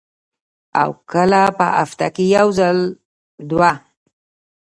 او کله پۀ هفته کښې یو ځل دوه ـ